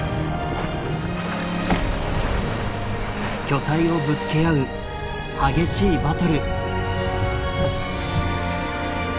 巨体をぶつけ合う激しいバトル。